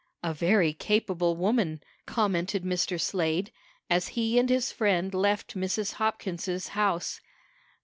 "A very capable woman," commented Mr. Slade, as he and his friend left Mrs. Hopkins's house.